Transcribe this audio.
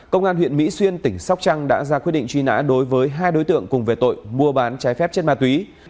công an huyện mỹ xuyên tỉnh sóc trăng đã ra quyết định truy nã đối với hai đối tượng cùng về tội mua bán trái phép chất ma túy